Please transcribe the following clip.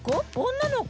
女の子？